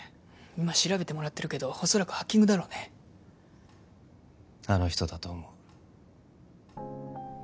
今調べてもらってるけど恐らくハッキングだろうねあの人だと思う